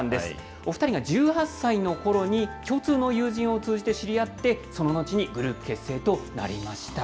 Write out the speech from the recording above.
お２人が１８歳のころに共通の友人を通じて知り合って、その後にグループ結成となりました。